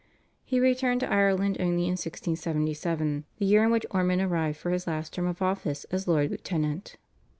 He returned to Ireland only in 1677, the year in which Ormond arrived for his last term of office as Lord Lieutenant.